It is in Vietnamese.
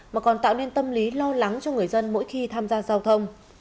mà còn tạo nên tâm lý lo lắng cho người dân mỗi khi tham gia giao thông